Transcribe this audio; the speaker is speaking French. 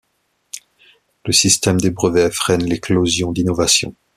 Le système des brevets freine l'éclosion d'innovations.